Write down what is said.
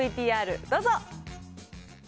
ＶＴＲどうぞ。